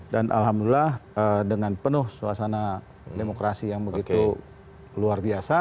dan alhamdulillah dengan penuh suasana demokrasi yang begitu luar biasa